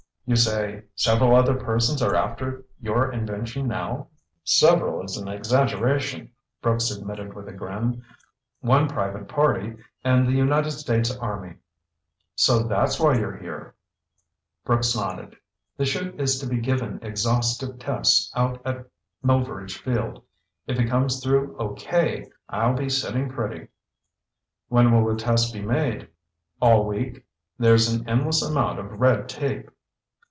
"You say several other persons are after your invention now?" "Several is an exaggeration," Brooks admitted with a grin. "One private party and the United States Army." "So that's why you're here!" Brooks nodded. "The 'chute is to be given exhaustive tests out at Melveredge Field. If it comes through okay, I'll be sitting pretty." "When will the tests be made?" "All week. There's an endless amount of red tape."